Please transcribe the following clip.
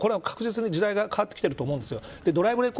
これは確実に時代が変わってきてると思うんです。